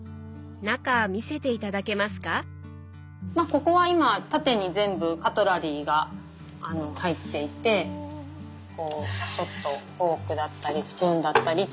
まあここは今縦に全部カトラリーが入っていてこうちょっとフォークだったりスプーンだったりっていう。